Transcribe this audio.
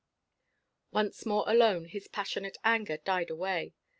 Once more alone, his passionate anger died away.